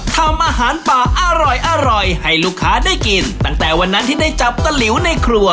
ทำอาหารป่าอร่อยอร่อยให้ลูกค้าได้กินตั้งแต่วันนั้นที่ได้จับตะหลิวในครัว